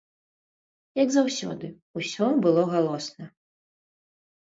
Як заўсёды, усё было галосна.